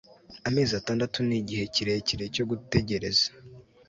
amezi atandatu nigihe kirekire cyo gutegereza